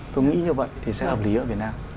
tôi nghĩ như vậy thì sẽ hợp lý ở việt nam